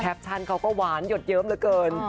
ชั่นเขาก็หวานหยดเยิ้มเหลือเกิน